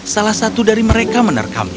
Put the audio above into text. salah satu dari mereka menerkamnya